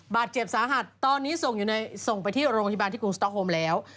บาดเจ็บสาหัสตอนนี้ส่งอยู่ในส่งไปที่โรงพยาบาลที่กรุงสต๊อกโฮมแล้ว